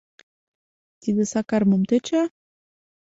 — Тиде Сакар мом тӧча?